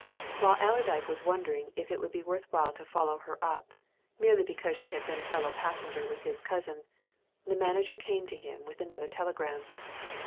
While Allerdyke was wondering if it would be worth while to follow her up, merely because she had been a fellow passenger with his cousin, the manager came to him with another telegram.